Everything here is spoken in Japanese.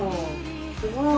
すごい。